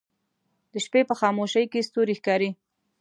د شپې په خاموشۍ کې ستوری ښکاري